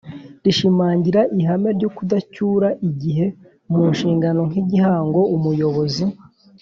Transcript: Rishimangira ihame ry ukudacyura igihe mu nshingano nk igihango umuyobozi